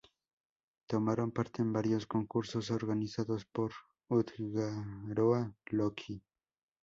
Tomaron parte en varios concursos organizados por Útgarða-Loki.